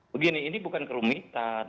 begini ini bukan kerumitan